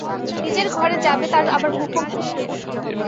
নিজের ঘরে যাবে তার আবার হুকুম কিসের?